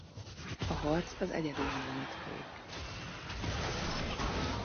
A harc az egyeduralomért folyik.